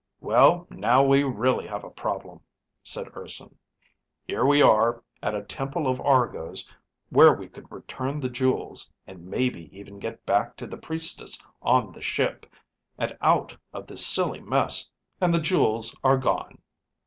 "Well, now we really have a problem," said Urson. "Here we are, at a temple of Argo's where we could return the jewels and maybe even get back to the Priestess on the ship, and out of the silly mess, and the jewels are gone."